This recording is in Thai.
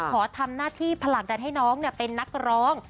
ขอทำหน้าที่ผลักดันให้น้องเป็นนักร้อง